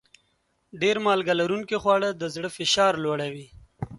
ډېر مالګه لرونکي خواړه د زړه فشار لوړوي.